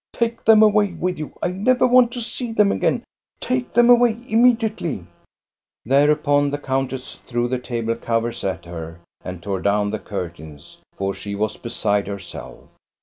Take them away with you ! I never want to see them again I Take them away immediately !" Thereupon the countess threw the table covers at her and tore down the curtains, for she was beside herself.